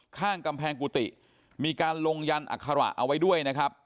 ข้างกำแพงกุฏิมีการลงยันอัคระเอาไว้ด้วยนะครับ